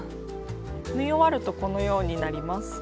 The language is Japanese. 縫い終わるとこのようになります。